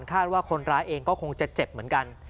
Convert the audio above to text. คาดว่าคนร้ายเองก็คงจะเจ็บเหมือนกัน